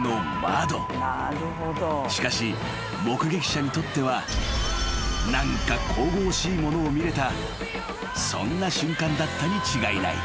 ［しかし目撃者にとっては何か神々しいものを見れたそんな瞬間だったに違いない］